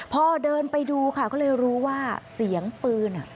พอเดินไปดูค่ะก็เลยรู้ว่าเสียงปืน